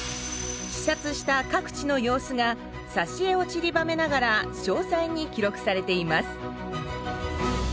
視察した各地の様子がさしえをちりばめながら詳細に記録されています。